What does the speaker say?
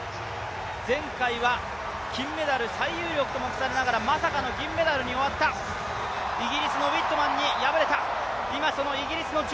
前回は金メダル最有力と目されながらまさかの銀メダルに終わったイギリスのウィットマンに敗れた。